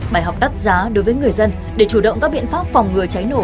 bài học đắt giá đối với người dân để chủ động các biện pháp phòng ngừa cháy nổ